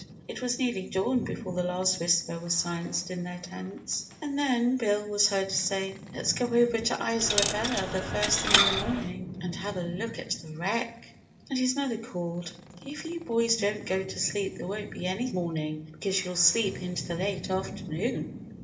It was nearly dawn before the last whisper was silenced in their tents. And then, Bill was heard to say, "Let's go over to Isola Bella the first thing in the morning and have a look at the wreck!" And his mother called, "If you boys don't go to sleep there won't be any morning, because you'll sleep into the late afternoon."